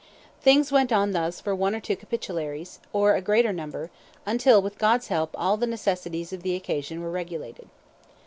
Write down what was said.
"Things went on thus for one or two capitularies, or a greater number, until, with God's help, all the necessities of the occasion were regulated.